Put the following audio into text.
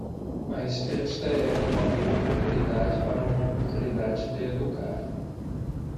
Mas esta é uma boa oportunidade para uma oportunidade de educar.